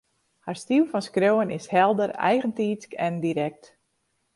Har styl fan skriuwen is helder, eigentiidsk en direkt